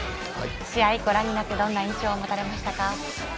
試合、ご覧になってどんな印象を持たれましたか？